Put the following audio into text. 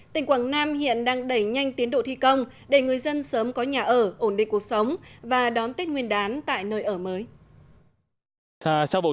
tỉnh quảng nam hiện đang đẩy nhanh tiến độ thi công để người dân sớm có nhà ở ổn định cuộc sống và đón tết nguyên đán tại nơi ở mới